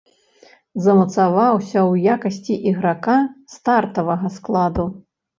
Замацаваўся ў якасці іграка стартавага складу.